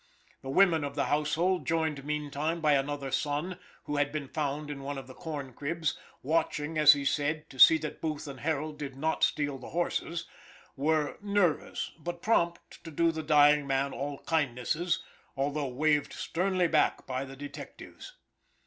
The women of the household, joined meantime by another son, who had been found in one of the corn cribs, watching as he said, to see that Booth and Harold did not steal the horses, were nervous, but prompt to do the dying man all kindnesses, although waived sternly back by the detectives.